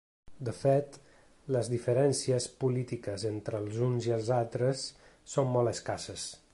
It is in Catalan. De fet, les diferències polítiques entre els uns i els altres són molt escasses.